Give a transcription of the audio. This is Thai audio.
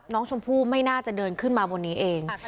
น้องชมพู่ไม่น่าจะเดินขึ้นมาบนนี้เอง